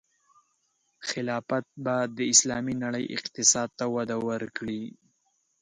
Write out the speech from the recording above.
خلافت به د اسلامي نړۍ اقتصاد ته وده ورکړي.